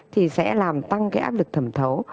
thì sẽ làm tăng cái áp lực thẩm thấu